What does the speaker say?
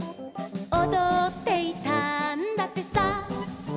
「おどっていたんだってさ」